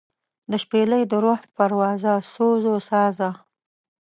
دشپیلۍ دروح پروازه سوزوسازه